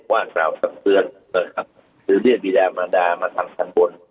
บ้านกล่าวสังเกิดหรือเรียนวิราณมาดามาทางข้างบน